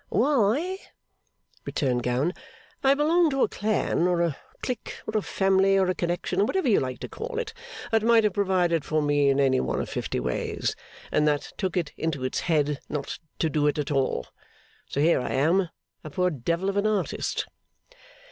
'Why,' returned Gowan, 'I belong to a clan, or a clique, or a family, or a connection, or whatever you like to call it, that might have provided for me in any one of fifty ways, and that took it into its head not to do it at all. So here I am, a poor devil of an artist.